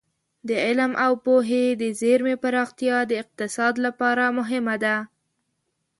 د علم او پوهې د زېرمې پراختیا د اقتصاد لپاره مهمه ده.